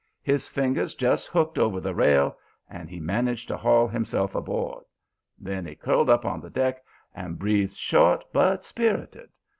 His fingers just hooked over the rail and he managed to haul himself aboard. Then he curled up on the deck and breathed short but spirited.